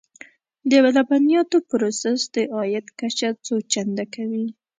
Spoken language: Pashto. د لبنیاتو پروسس د عاید کچه څو چنده کوي.